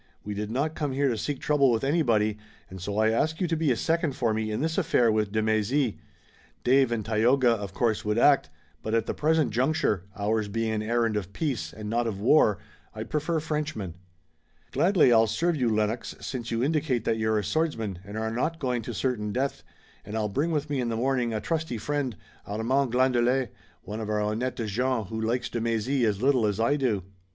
We did not come here to seek trouble with anybody, and so I ask you to be a second for me in this affair with de Mézy. Dave and Tayoga, of course, would act, but at the present juncture, ours being an errand of peace and not of war, I'd prefer Frenchmen." "Gladly I'll serve you, Lennox, since you indicate that you're a swordsman and are not going to certain death, and I'll bring with me in the morning a trusty friend, Armand Glandelet, one of our honnêtes gens who likes de Mézy as little as I do."